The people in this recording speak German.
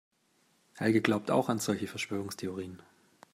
Helge glaubt auch an solche Verschwörungstheorien.